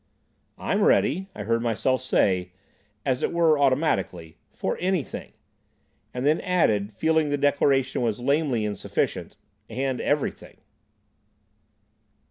"I'm ready," I heard myself say, as it were automatically, "for anything," and then added, feeling the declaration was lamely insufficient, "and everything."